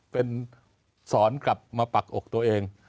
เป็นสอนกลับมาปักอกตัวเอง